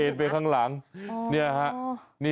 เอนไปข้างหลังนี่ครับ